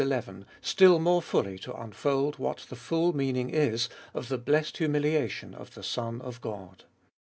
u, still more fully to unfold what the full meaning is of the blessed humiliation of the Son of God.